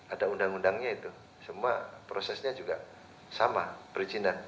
ada undang undangnya itu semua prosesnya juga sama perizinan